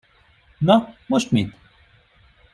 Na, most mit?